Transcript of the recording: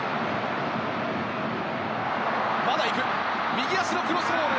右足のクロスボール。